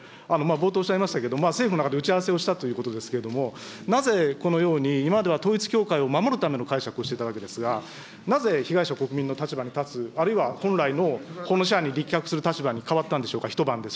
冒頭おっしゃいましたけど、政府の中で打ち合わせをしたということですけれども、なぜこのように今までは統一教会を守るための解釈をしてたわけですが、なぜ被害者、国民の立場に立つ、あるいは本来の法の支配に立脚する立場に変わったんでしょうか、一晩で。